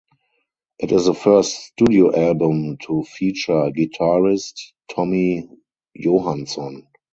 It is the first studio album to feature guitarist Tommy Johansson.